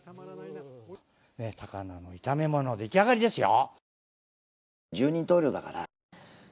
高菜の炒め物、出来上がりですよ。